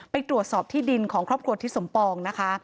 ไปตรวจสอบที่ดินของครอบครัวทิศสมปองนะคะ